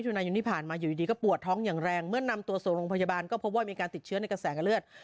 นายนที่ผ่านมาอยู่ดีก็ปวดท้องอย่างแรงเมื่อนำตัวส่งโรงพยาบาลก็พบว่ามีการติดเชื้อในกระแสกับเลือด